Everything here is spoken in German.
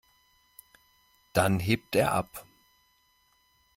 Dann hebt er ab.